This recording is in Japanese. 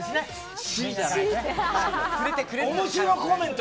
面白コメント